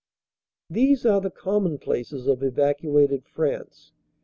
These are the commonplaces of evacuated France.